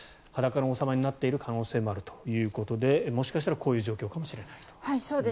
裸の王様になっている可能性もあるということでもしかしたらこういう状況かもしれないと。